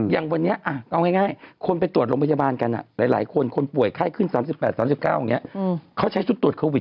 อย่างวันนี้เอาง่ายคนไปตรวจโรงพยาบาลกันหลายคนคนป่วยไข้ขึ้น๓๘๓๙อย่างนี้เขาใช้ชุดตรวจโควิด